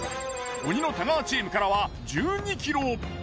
鬼の太川チームからは１２ｋｍ。